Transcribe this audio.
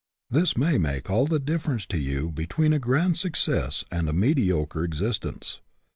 This may make all the difference to you be tween a grand success and a mediocre exis tence.